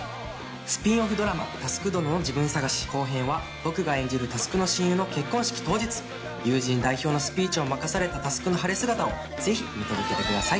スピンオフドラマ『佑どののジブン探し』後編は僕が演じる佑の親友の結婚式当日友人代表のスピーチを任された佑の晴れ姿をぜひ見届けてください